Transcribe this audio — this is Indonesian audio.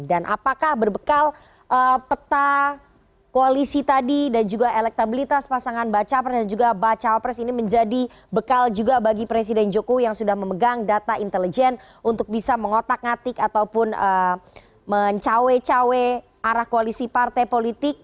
dan apakah berbekal peta koalisi tadi dan juga elektabilitas pasangan bakal capres dan juga bakal capres ini menjadi bekal juga bagi presiden joko yang sudah memegang data intelijen untuk bisa mengotak ngatik ataupun mencawe cawe arah koalisi partai politik